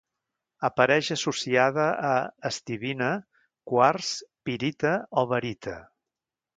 Apareix associada a: estibina, quars, pirita o barita.